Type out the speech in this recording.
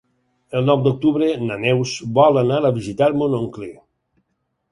El nou d'octubre na Neus vol anar a visitar mon oncle.